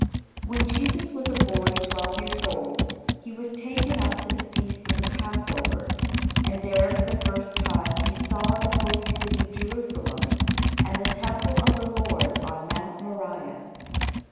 When Jesus was a boy twelve years old, he was taken up to the feast of the Passover, and there for the first time he saw the holy city Jerusalem, and the Temple of the Lord on Mount Moriah.